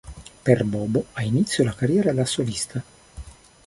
Per Bobo ha inizio la carriera da solista.